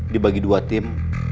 dibagi dua tim